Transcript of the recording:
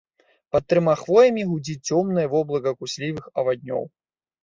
Пад трыма хвоямі гудзіць цёмнае воблака куслівых аваднёў.